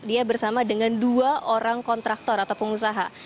dia bersama dengan dua orang kontraktor atau pengusaha